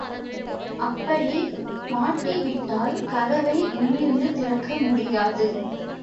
அப்படி மாட்டிவிட்டால் கதவை உள்ளிருந்து திறக்க முடியாது.